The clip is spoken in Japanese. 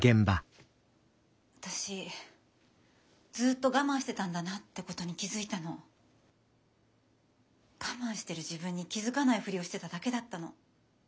私ずっと我慢してたんだなってことに気付いたの。我慢してる自分に気付かないふりをしてただけだったの。